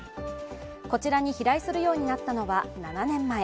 こちらに飛来するようになったのは７年前。